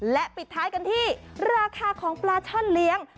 และปิดท้ายกันที่ราคาของปลาช่อนเลี้ยง